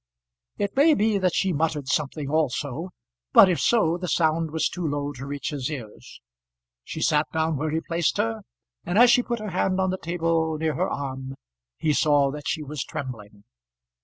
It may be that she muttered something also, but if so the sound was too low to reach his ears. She sat down where he placed her, and as she put her hand on the table near her arm, he saw that she was trembling.